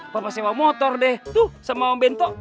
papa sewa motor deh sama bento